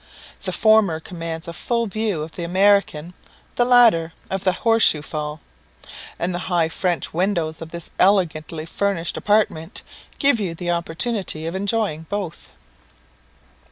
The former commands a full view of the American, the latter of the Horse shoe Fall; and the high French windows of this elegantly furnished apartment give you the opportunity of enjoying both.